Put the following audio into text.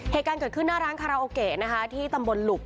เหตุการณ์เกิดขึ้นหน้าร้านคาราโอเกะนะคะที่ตำบลหลุก